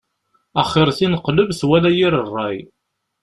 Axir tineqlebt wala yir ṛṛay.